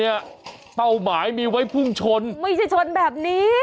เนี้ยกซเฝ้าหมายบ่อยพุ่งชนไม่ได้ชนแบบนี้